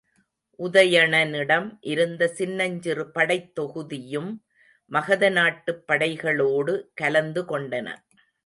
உதயணனிடம் இருந்த சின்னஞ்சிறு படைத் தொகுதியும் மகத நாட்டுப் படைகளோடு கலந்து கொண்டன.